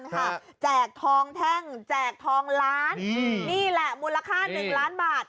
แจกทองแท่งแจกทองล้านนี่แหละมูลค่า๑ล้านบาท